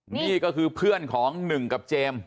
นี่ก็คือเพื่อนของหนึ่งกับเจมส์